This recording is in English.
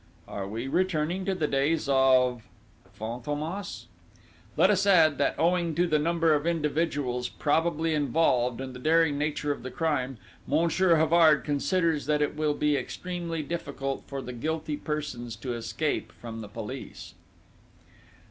"'Are we returning to the days of Fantômas?' "Let us add, that owing to the number of individuals probably involved, and the daring nature of the crime, Monsieur Havard considers that it will be extremely difficult for the guilty persons to escape from the police."